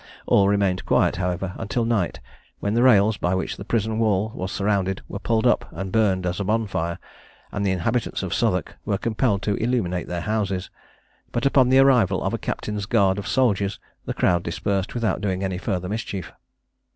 All remained quiet, however, until night, when the rails by which the prison wall was surrounded were pulled up and burned as a bonfire, and the inhabitants of Southwark were compelled to illuminate their houses; but upon the arrival of a captain's guard of soldiers, the crowd dispersed without doing any further mischief.